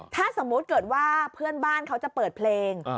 ถ้าสมมุติเกิดว่าเพื่อนบ้านเขาจะเปิดเพลง